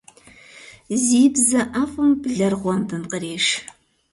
Зи бзэ IэфIым блэр гъуэмбым къреш.